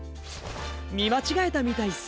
みまちがえたみたいっす。